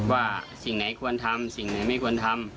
ว่าสิ่งไหนควรทำสิ่งไหนไม่ควรทำ